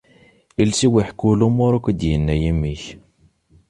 Iles-iw iḥekku lumuṛ akk i d-inna yimi-k.